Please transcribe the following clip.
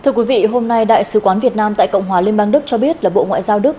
thưa quý vị hôm nay đại sứ quán việt nam tại cộng hòa liên bang đức cho biết là bộ ngoại giao đức